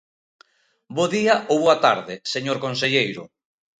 Bo día ou boa tarde, señor conselleiro.